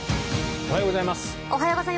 おはようございます。